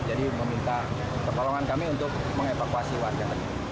jadi meminta pertolongan kami untuk mengevakuasi warga